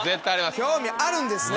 興味あるんですね？